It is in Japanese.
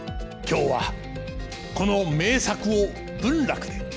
今日はこの名作を文楽で！